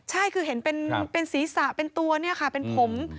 ใช่คือเห็นเป็นศีรษะเป็นตัวเนี่ยค่ะเป็นผม